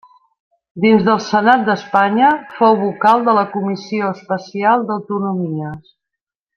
Dins del Senat d'Espanya fou vocal de la Comissió Especial d'Autonomies.